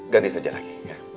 ganti saja lagi ya